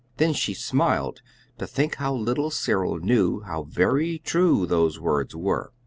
Then she smiled to think how little Cyril knew how very true those words were.